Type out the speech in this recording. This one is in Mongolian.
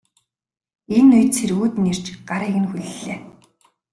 Энэ үед цэргүүд нь ирж гарыг нь хүллээ.